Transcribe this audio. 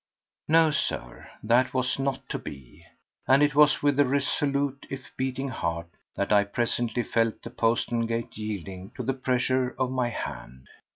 No, Sir; that was not to be! And it was with a resolute if beating heart that I presently felt the postern gate yielding to the pressure of my hand.